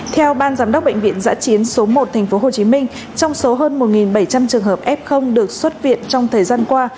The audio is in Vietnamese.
theo ban giám đốc bệnh viện giã chiến số một tp hcm trong số hơn một bảy trăm linh trường hợp f được xuất viện trong thời gian qua